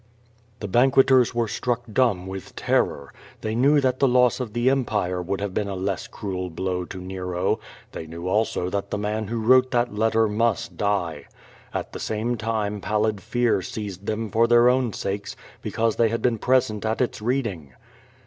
'* The banqueters were struck dumb with terror. They knew that the lo^ of the Empire would have been a less cruel blow to Nero, thoy knew also that the man who wrote that letter must die. At the same time pallid fear seized them for their own sakes, l>ecause they had been present at its reading.